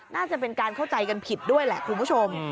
น่าจะเป็นการเข้าใจกันผิดด้วยแหละคุณผู้ชม